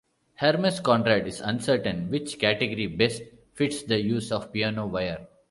Hermes Conrad is uncertain which category best fits the use of piano wire.